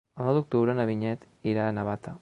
El nou d'octubre na Vinyet irà a Navata.